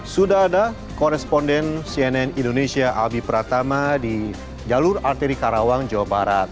sudah ada koresponden cnn indonesia albi pratama di jalur arteri karawang jawa barat